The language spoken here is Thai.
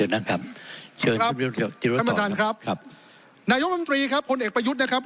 นายวางมันมีครับคนไอ้ประยุทธ์ครับ